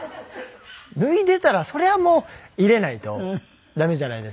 脱いでたらそりゃもう入れないと駄目じゃないですか。